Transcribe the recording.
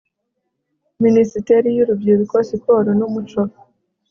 minisiteri y urubyiruko siporo n umuco